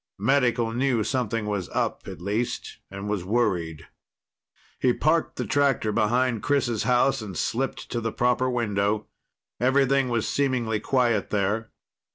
Medical knew something was up, at least, and was worried. He parked the tractor behind Chris' house and slipped to the proper window. Everything was seemingly quiet there.